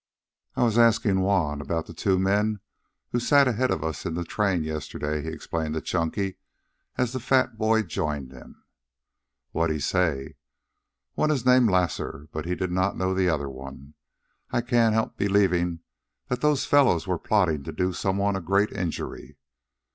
"I was asking Juan about the two men who sat ahead of us in the train yesterday," he explained to Chunky, as the fat boy joined them. "Wha'd he say?" "One is named Lasar, but he did not know the other one. I can't help believing that those fellows were plotting to do some one a great injury."